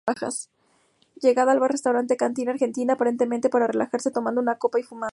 Llega al bar-restaurante "Cantina Argentina", aparentemente para relajarse tomando una copa y fumando.